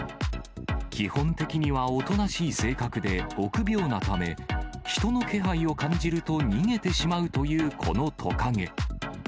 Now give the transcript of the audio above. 基本的にはおとなしい性格で臆病なため、人の気配を感じると逃げてしまうというこのトカゲ。